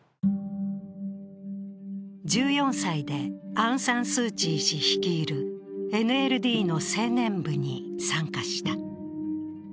１４歳でアウン・サン・スー・チー氏率いるＮＬＤの青年部に参加した。